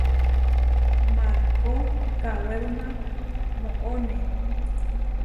Markó kawéruma moʼoné.